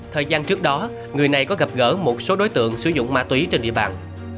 thời gian trước đó người này có gặp gỡ một số đối tượng sử dụng ma túy trên địa bàn